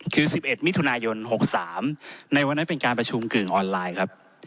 คือ๑๑มิถุนายน๖๓ในวันนั้นเป็นการประชุมกึ่งออนไลน์ครับ